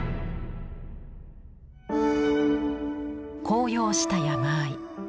紅葉した山あい。